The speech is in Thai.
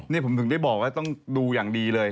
นี่ผมถึงได้บอกว่าต้องดูอย่างดีเลย